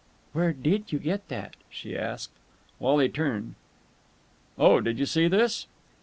"Where did you get that?" she asked. Wally turned. "Oh, did you see this?"